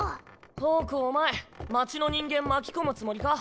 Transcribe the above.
ホークお前町の人間巻き込むつもりか？